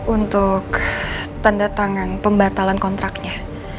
untuk tanda tangan pembatalan kontraknya